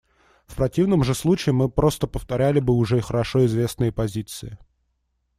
В противном же случае мы просто повторяли бы уже хорошо известные позиции.